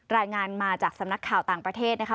รายงานมาจากสำนักข่าวต่างประเทศนะคะ